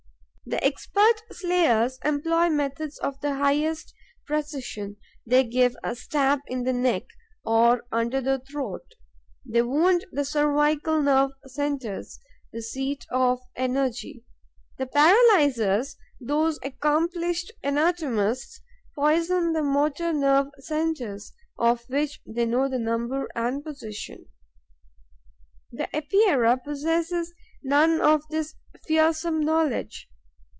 The expert slayers employ methods of the highest precision: they give a stab in the neck, or under the throat; they wound the cervical nerve centres, the seat of energy. The paralyzers, those accomplished anatomists, poison the motor nerve centres, of which they know the number and position. The Epeira possesses none of this fearsome knowledge.